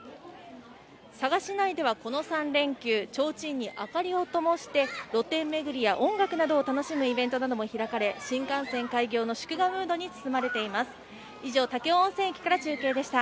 佐賀市内ではこの３連休提灯に灯をともして露店めぐりや音楽などを楽しむイベントなども開かれ新幹線開業の祝賀ムードに包まれています